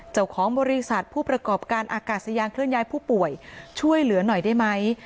เจ้าของบริษัทผู้ประกอบการอากาศยานเคลื่อนย้ายผู้ป่วยช่วยเหลือหน่อยได้ไหม